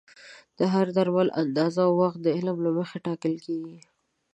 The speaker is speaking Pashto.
د هر درمل اندازه او وخت د علم له مخې ټاکل کېږي.